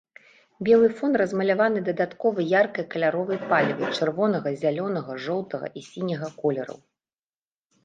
Белы фон размаляваны дадаткова яркай каляровай палівай чырвонага, зялёнага, жоўтага і сіняга колераў.